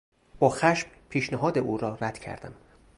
با خشم پیشنهاد او را رد کردم.